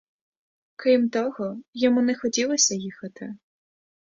Крім того, йому не хотілося їхати.